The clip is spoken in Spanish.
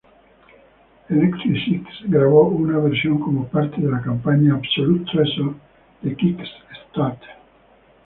Electric Six grabó una versión como parte de la campaña "Absolute Treasure" de Kickstarter.